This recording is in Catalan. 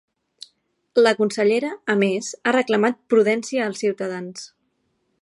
La consellera, a més, ha reclamat prudència als ciutadans.